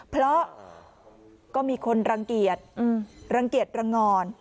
เพราะก็มีคนรังเกียจรังเกียจรังงอน